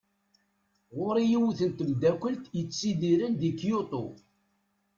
Ɣur-i yiwet n tmeddakelt yettidiren deg Kyito.